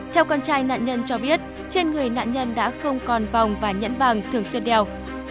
theo con trai nạn nhân cho biết trên người nạn nhân đã không còn vòng và nhẫn vàng thường xuyên đeo